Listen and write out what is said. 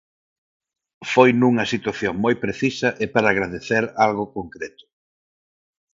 Foi nunha situación moi precisa e para agradecer algo concreto.